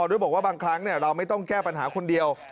ด้วยบอกว่าบางครั้งเราไม่ต้องแก้ปัญหาคนเดียว